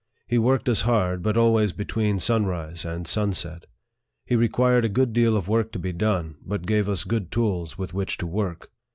He worked us hard, but always between sunrise and sunset. He required a good deal of work to be done, but gave us good tools with which to work.